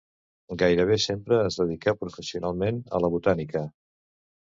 Gairebé sempre es dedicà professionalment a la botànica.